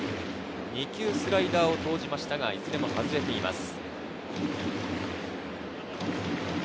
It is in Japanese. ２球スライダーを投じましたが、いずれも外れています。